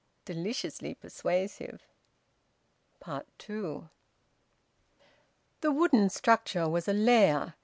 Deliciously persuasive! TWO. The wooden structure was a lair.